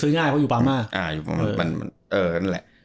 ซื้อตู้ลามอะไรอย่างนี้